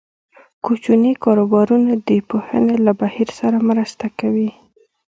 کوچني کاروبارونه د پوهنې له بهیر سره مرسته کوي.